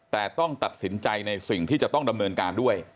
แต่ต้องตัดสินใจในสิ่งที่จะต้องดำเนินการด้วย